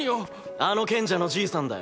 あの賢者のじいさんだよ。